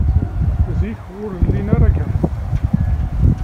Zik, ur llin ara akka.